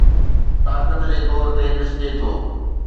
طاقت جي طور تي ڏسجي ٿو